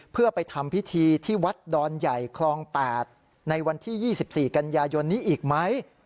เพื่อไปทำพิธีที่วัดดอนใหญ่คลอง๘ในวันที่๒๔กันยายนนี้อีกไหม